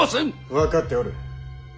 分かっておる。